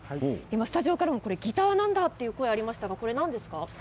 スタジオからもギターなんだという声がありましたけど何ですか？